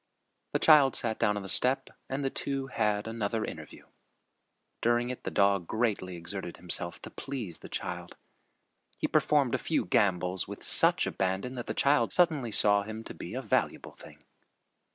The child sat down on the step and the two had another interview. During it the dog greatly exerted himself to please the child. He performed a few gambols with such abandon that the child suddenly saw him to be a valuable thing.